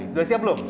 udah siap belum